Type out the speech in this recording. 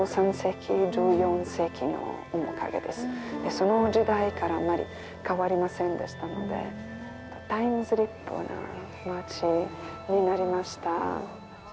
その時代からあまり変わりませんでしたのでタイムスリップな町になりました。